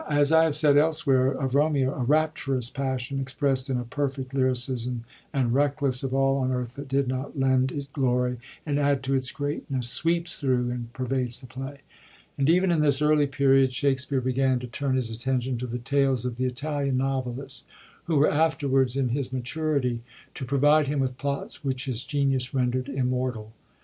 As I have said elsewhere of Bovneo, 'a rapturous passion, exprest in a perfect lyricism, and reckless of all on earth that did not lend it glory and add to its greatness, sweeps through and per vades the play.' ^ And even in this early period, Shak ^Bomeua and Juliet, 1908, pp. lix. Ix. 9a REVIEW OF THE FIRST PERIOD spere began to turn his attention to the tales of the Italian novelists who were afterwards, in his maturity, to pro vide him with plots which his genius renderd immortal.